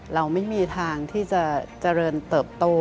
เราไม่มีทางที่จะเจริญเติบโต